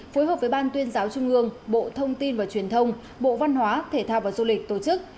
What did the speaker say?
phối hợp với ban tuyên giáo trung ương bộ thông tin và truyền thông bộ văn hóa thể thao và du lịch tổ chức